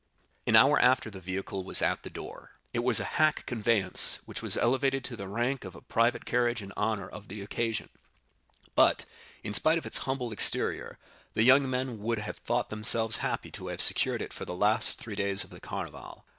An hour after the vehicle was at the door; it was a hack conveyance which was elevated to the rank of a private carriage in honor of the occasion, but, in spite of its humble exterior, the young men would have thought themselves happy to have secured it for the last three days of the Carnival.